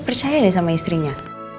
percaya deh sama istrinya